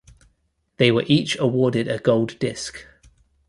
They were each awarded a gold disc.